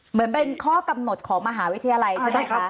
เหมือนเป็นข้อกำหนดของมหาวิทยาลัยใช่ไหมคะ